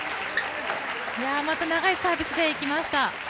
また長いサービスでいきました。